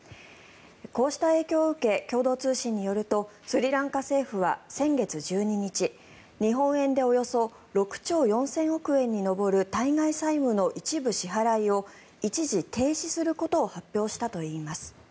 こうした影響を受け共同通信によるとスリランカ政府は先月１２日日本円でおよそ６兆４０００億円に上る対外債務の一部支払いを一時停止することを発表したといいます。